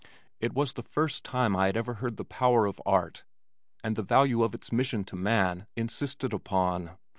It was the first time I had ever heard the power of art and the value of its mission to man insisted upon.